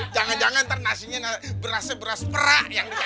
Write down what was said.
jangan jangan ntar nasinya berasnya beras perak yang dikasih